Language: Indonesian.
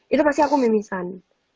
itu pasti aku mimisan